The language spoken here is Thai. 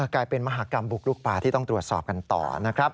กลายเป็นมหากรรมบุกลุกป่าที่ต้องตรวจสอบกันต่อนะครับ